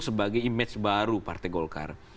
sebagai image baru partai golkar